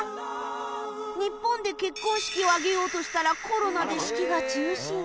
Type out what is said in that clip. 日本で結婚式を挙げようとしたらコロナで式が中止に